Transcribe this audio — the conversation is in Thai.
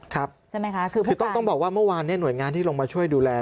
ครับคือต้องบอกว่าเมื่อวานหน่วยงานที่ลงมาช่วยดูแล